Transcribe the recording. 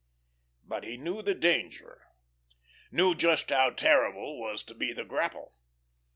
But he knew the danger knew just how terrible was to be the grapple.